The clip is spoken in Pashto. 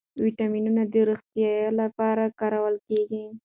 ویټامینونه د روغتیا لپاره کارول کېږي.